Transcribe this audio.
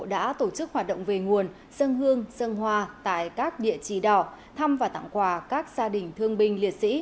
đã tổ chức hoạt động về nguồn dân hương dân hoa tại các địa chỉ đỏ thăm và tặng quà các gia đình thương binh liệt sĩ